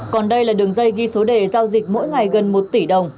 còn đây là đường dây ghi số đề giao dịch mỗi ngày gần một tỷ đồng